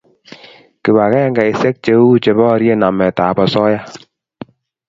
Kibagengeisiek cheu cheborie nametap osoya